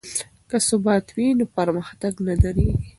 که ثبات وي نو پرمختګ نه دریږي.